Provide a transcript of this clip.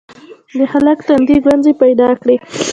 د هلک تندي ګونځې پيدا کړې: